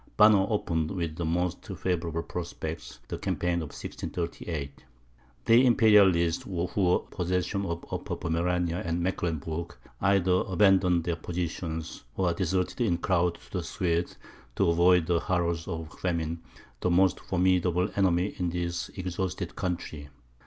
Banner opened, with the most favourable prospects, the campaign of 1638. The Imperialists who were in possession of Upper Pomerania and Mecklenburg, either abandoned their positions, or deserted in crowds to the Swedes, to avoid the horrors of famine, the most formidable enemy in this exhausted country.